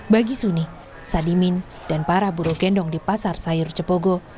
bagi suni sadimin dan para buruh gendong di pasar sayur cepogo